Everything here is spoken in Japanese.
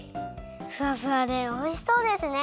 ふわふわでおいしそうですね！